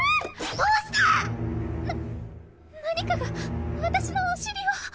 どうした⁉な何かが私のお尻を。